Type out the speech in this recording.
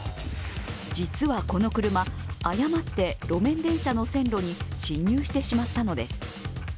実はこの車、誤って路面電車の線路に進入してしまったのです。